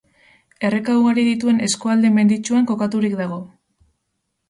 Erreka ugari dituen eskualde menditsuan kokaturik dago.